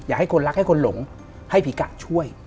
ให้คนรักให้คนหลงให้ผีกะช่วย